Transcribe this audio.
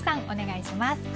お願いします。